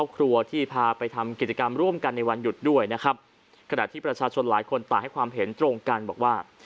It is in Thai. กระดาษที่รายคนต่างให้ความเห็นตรงกันว่า